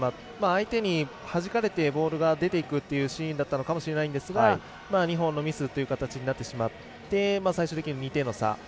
相手にはじかれてボールが出て行くというシーンだったのかもしれませんが日本のミスという形になってしまって最終的に２点の差。